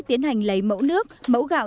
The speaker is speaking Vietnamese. tiến hành lấy mẫu nước mẫu gạo